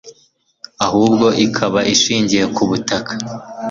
ahubwo ikaba ishingiye ku butaka